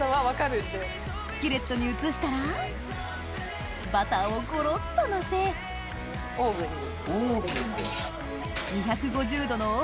スキレットに移したらバターをごろっとのせオーブンに。